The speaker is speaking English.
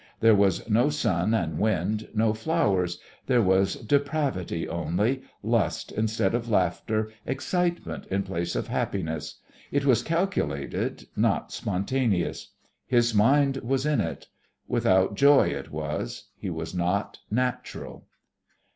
There was no sun and wind, no flowers there was depravity only, lust instead of laughter, excitement in place of happiness. It was calculated, not spontaneous. His mind was in it. Without joy it was. He was not natural.